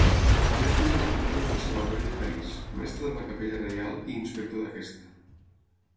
També fou director del Conservatori de París, mestre de la Capella Reial i inspector d'aquesta.